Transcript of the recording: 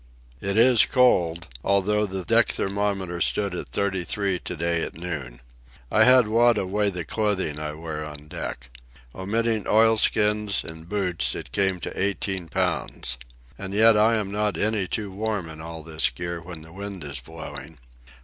It is cold, although the deck thermometer stood at thirty three to day at noon. I had Wada weigh the clothing I wear on deck. Omitting oilskins and boots, it came to eighteen pounds. And yet I am not any too warm in all this gear when the wind is blowing.